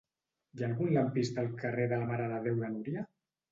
Hi ha algun lampista al carrer de la Mare de Déu de Núria?